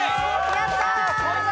やったー。